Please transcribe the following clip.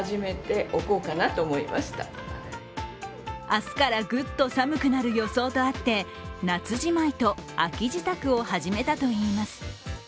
明日からグッと寒くなる予想とあって夏じまいと秋支度を始めたといいます。